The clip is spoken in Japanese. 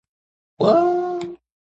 文章いくつ書けばいいの